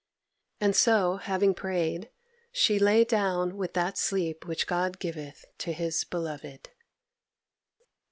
And so, having prayed, she lay down with that sleep which God giveth to His beloved.